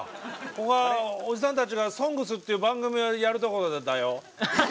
ここはおじさんたちが「ＳＯＮＧＳ」っていう番組をやるところだよ。